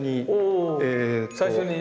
お最初に。